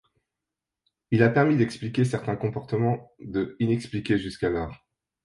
Il a permis d'expliquer certains comportements de inexpliqués jusqu'alors.